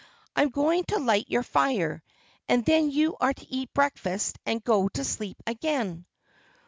I am going to light your fire, and then you are to eat your breakfast and go to sleep again."